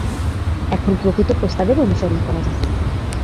এখন প্রকৃত প্রস্তাবের অনুসরণ করা যাক।